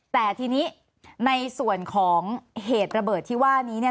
แต่ทีนี้ในส่วนของเหตุระเบิดที่ว่านี้เนี่ย